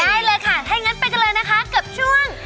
ได้เลยค่ะถ้าอย่างนั้นไปกันเลยนะคะกับช่วง